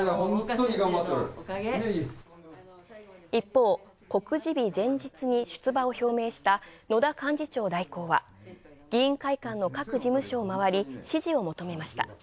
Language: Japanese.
一方、告示日前日に出馬を表明した野田幹事代行は、議員会館で支持を求めました。